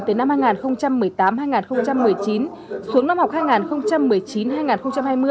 từ năm hai nghìn một mươi tám hai nghìn một mươi chín xuống năm học hai nghìn một mươi chín hai nghìn hai mươi